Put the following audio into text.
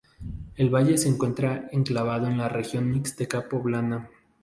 El valle se encuentra enclavado en la Región Mixteca Poblana.